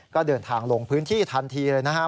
ก็เดินทางลงพื้นที่ทันทีเลยนะครับ